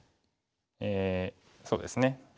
そうですね